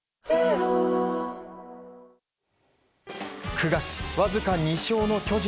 ９月、わずか２勝の巨人。